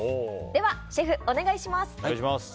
ではシェフ、お願いします！